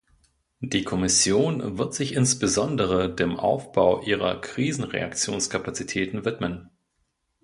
Die Kommission wird sich insbesondere dem Aufbau ihrer Krisenreaktionskapazitäten widmen.